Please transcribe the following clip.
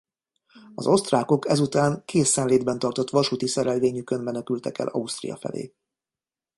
Az osztrákok ezután készenlétben tartott vasúti szerelvényükön menekültek el Ausztria felé.